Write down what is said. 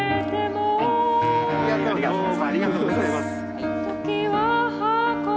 ありがとうございます。